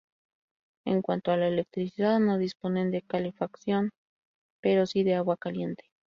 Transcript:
En cuanto a la electricidad, no disponen de calefacción pero si de agua caliente.